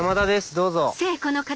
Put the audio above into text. どうぞ。